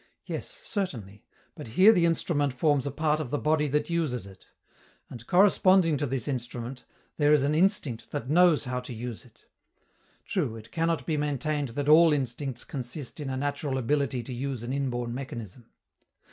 Yes, certainly, but here the instrument forms a part of the body that uses it; and, corresponding to this instrument, there is an instinct that knows how to use it. True, it cannot be maintained that all instincts consist in a natural ability to use an inborn mechanism.